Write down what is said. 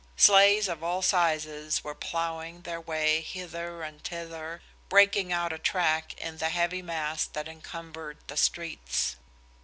Sleighs of all sizes were ploughing their way hither and thither, breaking out a track in the heavy mass that encumbered the streets.